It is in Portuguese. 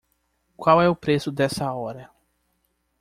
Qual é o preço dessa hora?